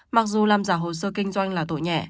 mặc dù làm giả hồ sơ kinh doanh là tội nhẹ